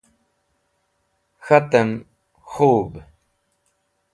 K̃hatem, khub!